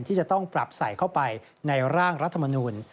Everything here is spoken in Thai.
ที่จะต้องปรับใส่เข้าไปในร่างรัฐมนูล